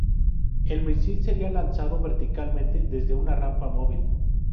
El misil sería lanzado verticalmente desde una rampa móvil.